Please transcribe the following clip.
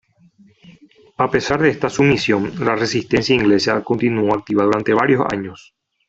A pesar de esta sumisión, la resistencia inglesa continuó activa durante varios años.